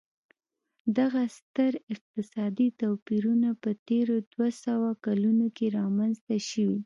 دغه ستر اقتصادي توپیرونه په تېرو دوه سوو کلونو کې رامنځته شوي.